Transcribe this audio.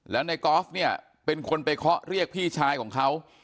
แล้วนายกอฟเป็นคนไปเคาะเรียกพี่ชายของเขา